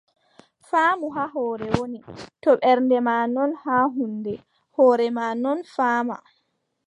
Faamu haa hoore woni, to ɓernde maa non haa huunde, hoore maa non faama.